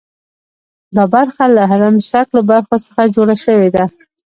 دا برخه له هرم شکلو برخو څخه جوړه شوې ده.